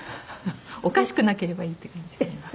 おかしくなければいいって感じかな。